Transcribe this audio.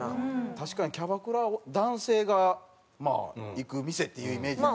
確かにキャバクラは男性が行く店っていうイメージやもんね。